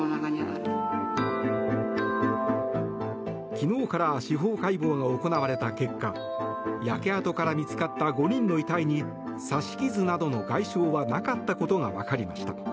昨日から司法解剖が行われた結果焼け跡から見つかった５人の遺体に刺し傷などの外傷はなかったことが分かりました。